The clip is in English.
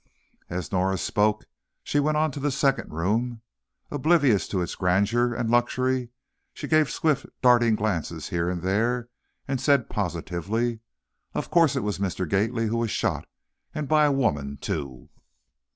As Norah spoke she went on to the second room. Oblivious to its grandeur and luxury, she gave swift, darting glances here and there and said positively: "Of course, it was Mr. Gately who was shot, and by a woman too!"